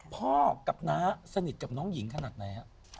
พ่อกับน้าสนิทกับน้องหญิงขนาดไหนฮะ